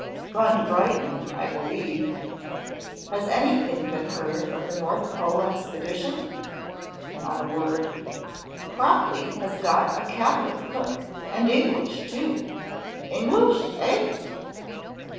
"Gone to Brighton, I believe." "Has any thing been heard of the North Pole expedition?" "Not a word." "Crockly has got a capital cook, and English too." "English! eh?"